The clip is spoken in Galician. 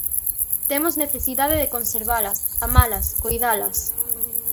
Temos necesidade de conservalas, amalas, coidalas.